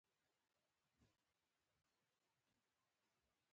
د لویو لټانو او زمریانو برخلیک هم ورته و.